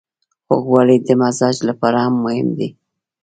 خوږوالی د مزاج لپاره هم مهم دی.